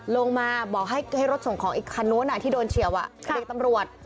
ลงมาบอกให้รถส่งของอีกคันนู้นที่โดนเฉียวเบรกตำรวจ